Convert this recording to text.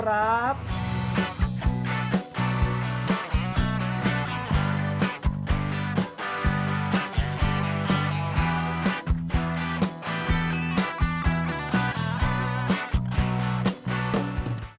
ติดตามชมกันนะครับ